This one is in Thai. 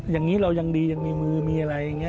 อย่างนี้เรายังดียังมีมือมีอะไรอย่างนี้